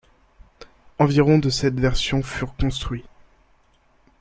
Environ de cette version furent construits.